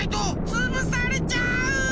つぶされちゃう！